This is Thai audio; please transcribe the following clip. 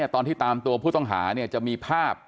ตอนที่ตามตัวผู้ต้องหาจะมีภาพ